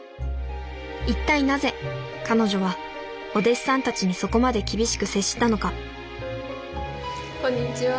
一体なぜ彼女はお弟子さんたちにそこまで厳しく接したのかこんにちは。